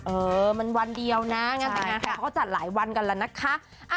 เออมันวันเดียวนะงานแต่งงานไทยเขาก็จัดหลายวันกันแล้วนะคะ